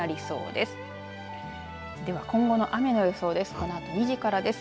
では今後の雨の予想です。